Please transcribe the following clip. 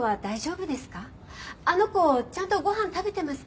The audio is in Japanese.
あの子ちゃんとご飯食べてますか？